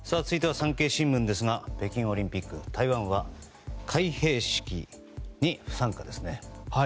続いては産経新聞ですが北京オリンピック台湾は開閉式に不参加です。